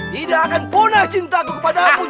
tidak akan punah cintaku kepadamu